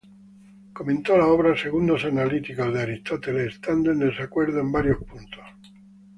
Comentó la obra "Segundos analíticos" de Aristóteles estando en desacuerdo en varios puntos.